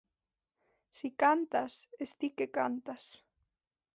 Si cantas, es ti que cantas.